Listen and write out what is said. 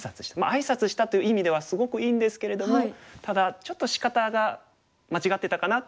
あいさつしたという意味ではすごくいいんですけれどもただちょっとしかたが間違ってたかなという感じですかね。